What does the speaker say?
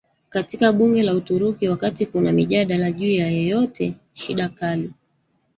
katika bunge la Uturuki wakati kuna mijadala juu ya yoyote shida kali